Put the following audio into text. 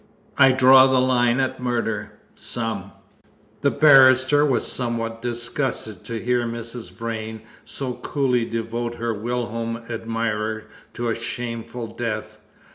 "I draw the line at murder some!" The barrister was somewhat disgusted to hear Mrs. Vrain so coolly devote her whilom admirer to a shameful death.